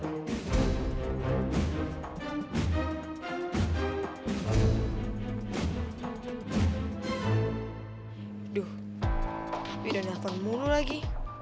aduh hp udah nge aktif mulu lagi